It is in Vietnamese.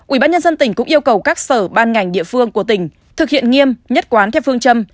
ubnd tỉnh cũng yêu cầu các sở ban ngành địa phương của tỉnh thực hiện nghiêm nhất quán theo phương châm